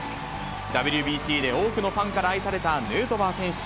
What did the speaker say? ＷＢＣで多くのファンから愛されたヌートバー選手。